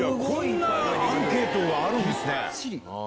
こんなにアンケートがあるんですね。